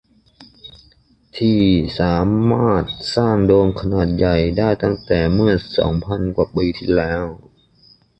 ที่สามารถสร้างโดมขนาดใหญ่ได้ตั้งแต่เมื่อ สอง พันกว่าปีที่แล้ว